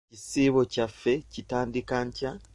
Ekisiibo kyaffe kitandika nkya.